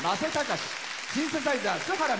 シンセサイザー、須原睦。